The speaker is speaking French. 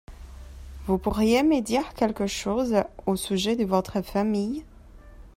Vous pourriez me dire quelque chose au sujet de votre famille ?